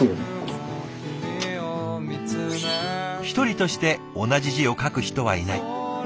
一人として同じ字を書く人はいない。